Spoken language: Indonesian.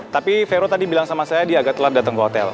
tapi vero tadi bilang sama saya dia agak telat datang ke hotel